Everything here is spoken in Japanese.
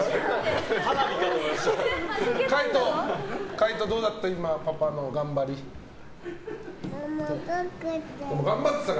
海仁、どうだった？